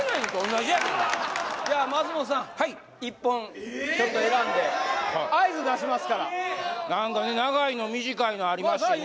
じゃあ松本さん１本ちょっと選んで合図出しますから長いの短いのありますしね